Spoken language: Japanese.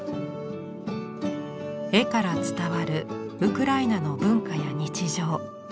絵から伝わるウクライナの文化や日常。